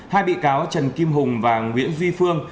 hai bị cáo trần kim hùng và nguyễn duy phương